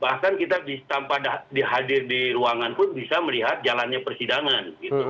bahkan kita tanpa hadir di ruangan pun bisa melihat jalannya persidangan